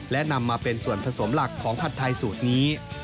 และนำมาเป็นส่วนผสมหลักของผัดไทยสูตรนี้